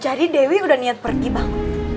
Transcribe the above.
jadi dewi udah niat pergi bang